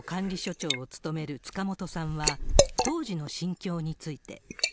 長を務める塚本さんは、当時の心境について。